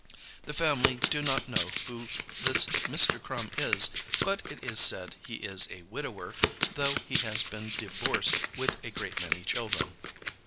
The family do not know who this MR. Crum is but It is said he is a widower though he has been diVorced with a great many children.